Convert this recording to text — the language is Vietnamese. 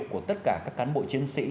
của tất cả các cán bộ chiến sĩ